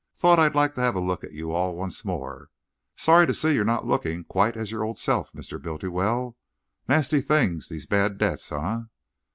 Thought I'd like to have a look at you all once more. Sorry to see you're not looking quite your old self, Mr. Bultiwell. Nasty things, these bad debts, eh?